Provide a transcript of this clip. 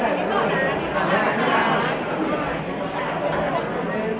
และหลุดคนที่ขอหน้าเติม